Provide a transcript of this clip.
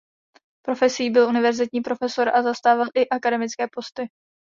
Profesí byl univerzitní profesor a zastával i akademické posty.